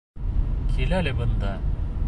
Кил әле бында!